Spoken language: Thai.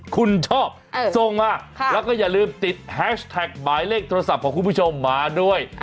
คุณชอบส่งมาแล้วก็อย่าลืมติดแฮชแท็กหมายเลขโทรศัพท์ของคุณผู้ชมมาด้วย